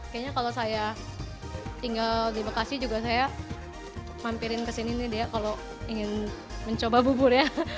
kayaknya kalau saya tinggal di bekasi juga saya mampirin kesini nih dea kalau ingin mencoba bubur ya